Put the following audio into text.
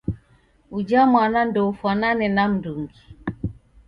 Uja mwana ndoufwanane na m'ndungi.